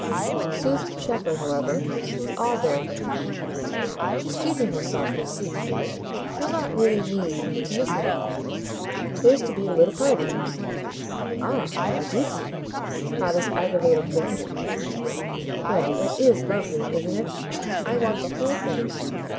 Susan Shepherd, however, was all there for him. "She's keeping herself. You'll see. You'll not really need to miss anything. There's to be a little party." "Ah I do see by this aggravated grandeur." "Well, it IS lovely, isn't it? I want the whole thing.